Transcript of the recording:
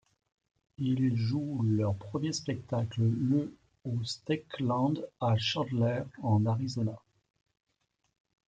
Ils jouent leur premier spectacle le au Skateland, à Chandler, en Arizona.